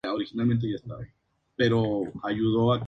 Actualmente la Intendencia está a cargo del Prof.